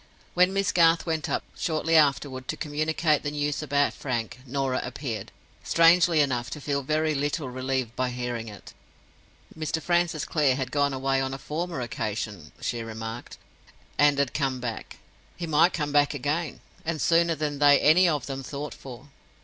When Miss Garth went up shortly afterward to communicate the news about Frank, Norah appeared, strangely enough, to feel very little relieved by hearing it. Mr. Francis Clare had gone away on a former occasion (she remarked), and had come back. He might come back again, and sooner than they any of them thought for.